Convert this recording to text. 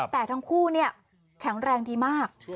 แต่ทั้งคู่แข็งแรงดีมาก